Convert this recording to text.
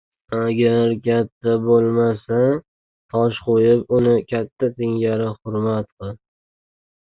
agar katta bo‘lmasa, tosh qo‘yib uni katta singari hurmat qil.